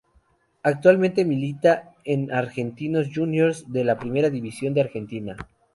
Actualmente milita en Argentinos Juniors, de la Primera División de Argentina.